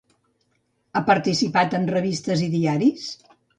Ha participat en revistes i diaris?